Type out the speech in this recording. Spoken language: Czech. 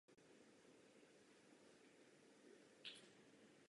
V seznamu jmen lze tyto zápisy libovolně kombinovat.